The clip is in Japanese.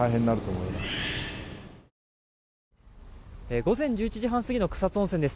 午前１１時半過ぎの草津温泉です。